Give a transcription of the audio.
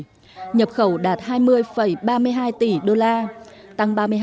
năm hai nghìn một mươi bảy nhập khẩu đạt hai mươi ba mươi hai tỷ usd tăng ba mươi hai sáu